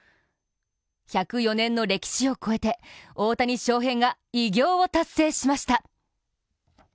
１０４年の歴史を超えて、大谷翔平が偉業を達成しました。